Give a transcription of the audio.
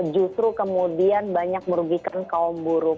justru kemudian banyak merugikan kaum buruh